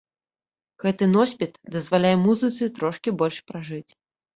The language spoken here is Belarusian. Гэты носьбіт дазваляе музыцы трошкі больш пражыць.